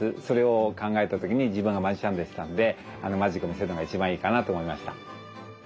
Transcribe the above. それを考えた時に自分がマジシャンでしたんでマジックを見せるのが一番いいかなと思いました。